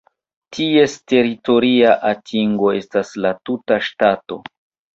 Ties teritoria atingo estas la tuta ŝtato.